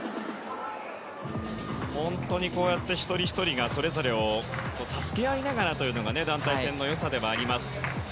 本当にこうやって一人ひとりが助け合いながらというのが団体戦の良さでもあります。